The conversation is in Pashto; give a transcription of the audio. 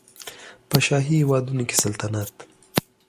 په شاهي هېوادونو کې سلطنت